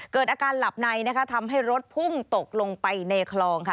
เกิดอาการหลับในนะคะทำให้รถพุ่งตกลงไปในคลองค่ะ